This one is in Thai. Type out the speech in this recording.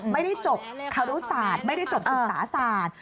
ไม่ได้จบคารุศาสตร์ไม่ได้จบศึกษาศาสตร์